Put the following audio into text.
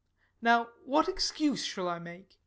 Now what excuse shall I make?